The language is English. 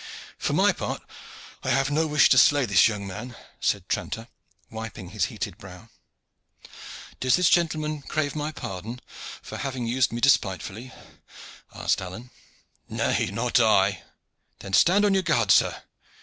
"For my part, I have no wish to slay this young man," said Tranter, wiping his heated brow. "Does this gentleman crave my pardon for having used me despitefully?" asked Alleyne. "Nay, not I." "Then stand on your guard, sir!"